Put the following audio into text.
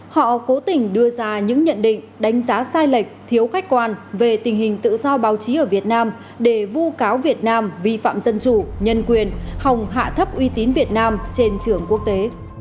họ cố tình đưa ra những nhận định đánh giá sai lệch thiếu khách quan về tình hình tự do báo chí ở việt nam để vu cáo việt nam vi phạm dân chủ nhân quyền hòng hạ thấp uy tín việt nam trên trường quốc tế